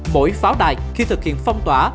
mỗi pháo đài khi thực hiện phong tỏa